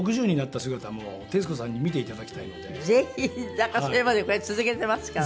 だからそれまでこれ続けてますからね。